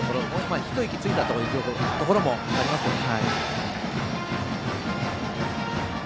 一息ついたところもありますよね。